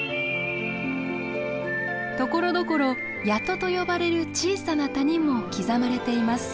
ところどころ谷戸と呼ばれる小さな谷も刻まれています。